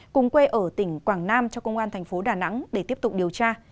cùng quê ở tỉnh quảng nam cho công an thành phố đà nẵng để tiếp tục điều tra